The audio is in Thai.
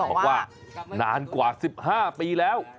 บอกว่านานกว่า๑๕ปีแล้ว